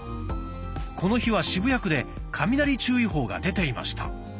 この日は渋谷区で「雷注意報」が出ていました。